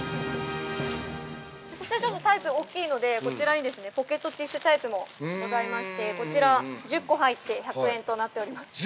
◆こちら、ちょっとタイプ、大きいのでこちらにポケットティッシュタイプもございまして、こちら１０個入って１００円となっております。